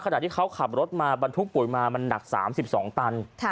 ขณะที่เขาขับรถมาบรรทุกปุ๋ยมามันหนัก๓๒ตัน